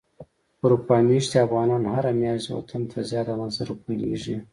اروپا ميشتي افغانان هره مياشت وطن ته زياته اندازه روپی ليږي.